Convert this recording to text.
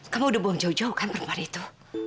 kamu udah bohong jauh jauh kan perbuatan itu